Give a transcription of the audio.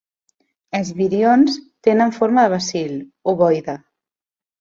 Els virions tenen forma de bacil, ovoide.